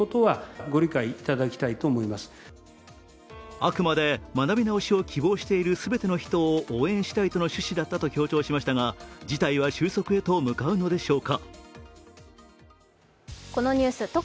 あくまで学び直しを希望している全ての人を応援したいとの趣旨だったと強調しましたが事態は収束へと向かうのでしょうか。